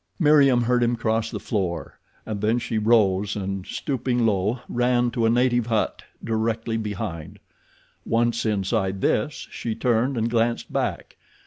Meriem heard him cross the floor, and then she rose and, stooping low, ran to a native hut directly behind. Once inside this she turned and glanced back.